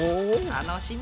楽しみ。